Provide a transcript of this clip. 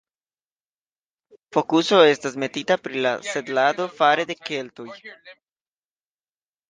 Fokuso estas metita pri la setlado fare de keltoj.